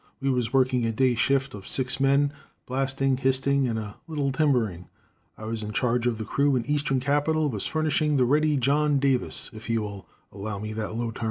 We was working a day shift of six men, blasting, hysting and a little timbering. I was in charge of the crew and eastern capital was furnishing the ready John Davis, if you will allow me that low term.